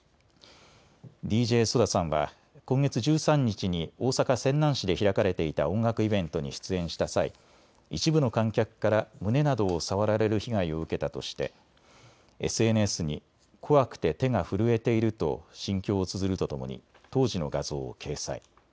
ＤＪＳＯＤＡさんは今月１３日に大阪泉南市で開かれていた音楽イベントに出演した際、一部の観客から胸などを触られる被害を受けたとしてＳＮＳに怖くて手が震えていると心境をつづるとともに当時の画像を掲載。